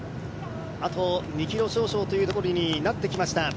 あと２ｋｍ少々というところになってきました。